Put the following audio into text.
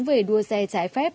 về đua xe trái phép